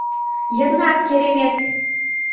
— Йыгнат, керемет!